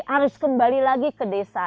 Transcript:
harus kembali lagi ke desa